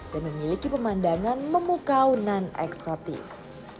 dan memiliki pemandangan memukau non eksotis